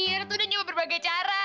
year tuh udah nyoba berbagai cara